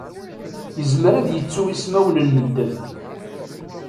Yezmer ad yettu ismawen n medden.